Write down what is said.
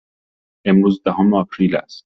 امروز دهم آپریل است.